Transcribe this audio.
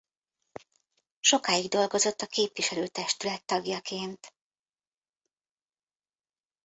Sokáig dolgozott a képviselőtestület tagjaként.